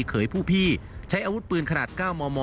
เขยผู้พี่ใช้อาวุธปืนขนาด๙มม